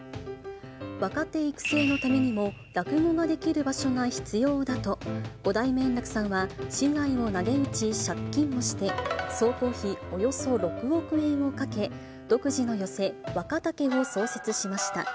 若手育成のためにも、落語ができる場所が必要だと、五代目圓楽さんは、私財をなげうち借金もして、総工費およそ６億円をかけ、独自の寄席、若竹を創設しました。